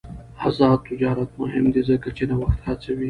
آزاد تجارت مهم دی ځکه چې نوښت هڅوي.